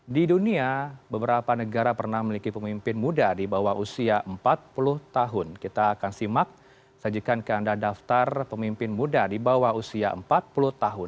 di dunia beberapa negara pernah memiliki pemimpin muda di bawah usia empat puluh tahun kita akan simak sajikan ke anda daftar pemimpin muda di bawah usia empat puluh tahun